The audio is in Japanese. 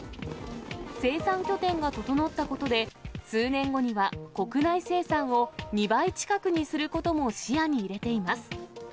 生産拠点が整ったことで、数年後には国内生産を２倍近くにすることも視野に入れています。